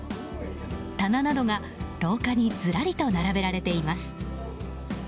棚などが廊下にずらりと並べられています。